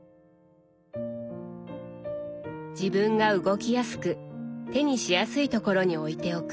自分が動きやすく手にしやすいところに置いておく。